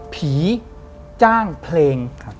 ผีจ้างเพลง